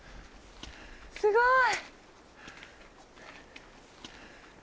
すごい！